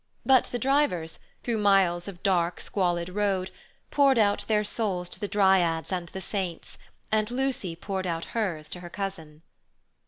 But the drivers, through miles of dark squalid road, poured out their souls to the dryads and the saints, and Lucy poured out hers to her cousin.